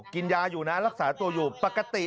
กินยาอยู่นะรักษาตัวอยู่ปกติ